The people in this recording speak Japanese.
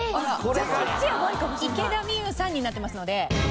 「池田美優さん」になってますので。